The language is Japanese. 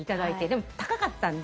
でも、高かったんで。